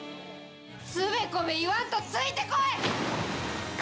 つべこべ言わんといてついてこい！